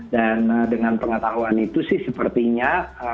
dan dengan pengetahuan itu sih sepertinya